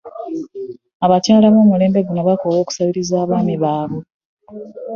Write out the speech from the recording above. Abakyala b'omulembe guno baakoowa okusabiriza abaami baabwe.